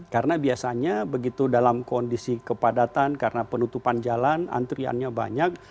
karena biasanya begitu dalam kondisi kepadatan karena penutupan jalan antriannya banyak